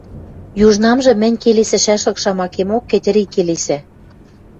Южнамжы мӹнь келесӹшӓшлык шамакемок Кӹтьӹри келесӓ.